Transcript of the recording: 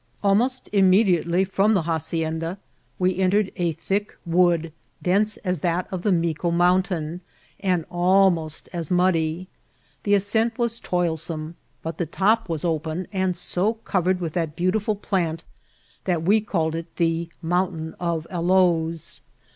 Almost immediately from the hacienda we entered a thick wood, dense as that of the Mico Mountain, and almost as muddy. The ascent was toilsome, but the top was open, and so covered with that beautiful plant that we called it the Mountain of Aloes.